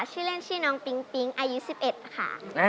ชื่อเล่นชีวิตน้องปิ๊งอายุ๑๑ปีค่ะ